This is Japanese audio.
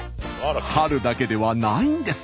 春だけではないんです。